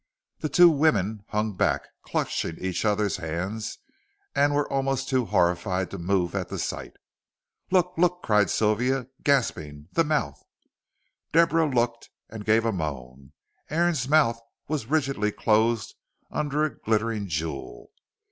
The two women hung back, clutching each other's hands, and were almost too horrified to move at the sight. "Look! Look!" cried Sylvia, gasping, "the mouth!" Deborah looked and gave a moan. Aaron's mouth was rigidly closed under a glittering jewel.